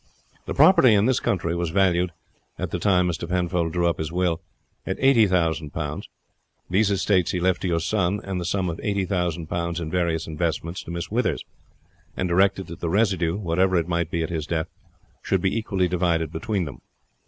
"The property in this country was valued, at the time Mr. Penfold drew up his will, at eighty thousand pounds; these estates he left to your son, and the sum of eighty thousand pounds, in various investments, to Miss Withers, and directed that the residue, whatever it might be at his death, should be equally divided between them.